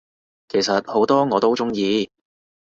其實好多我都鍾意